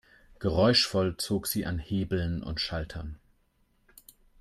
Geräuschvoll zog sie an Hebeln und Schaltern.